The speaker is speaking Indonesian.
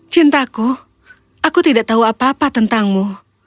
cintaku aku tidak tahu apa apa tentangmu